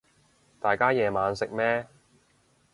大家夜晚食咩